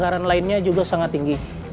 ada berapa inti ulasan di anggaran satu y